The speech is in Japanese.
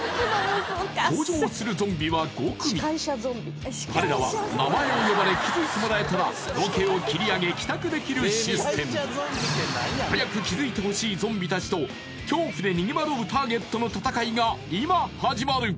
登場するゾンビは５組彼らは名前を呼ばれ気づいてもらえたらロケを切り上げ帰宅できるシステム早く気づいてほしいゾンビ達と恐怖で逃げ惑うターゲットの戦いが今始まる！